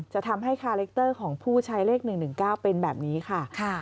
จะทำให้คาเล็กเตอร์ของผู้ใช้เลข๑๑๙เป็นแบบนี้ค่ะ